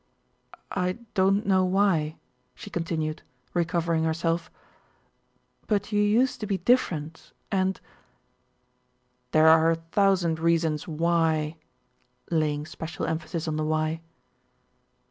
"I don't know why," she continued, recovering herself, "but you used to be different, and..." "There are a thousand reasons why," laying special emphasis on the why.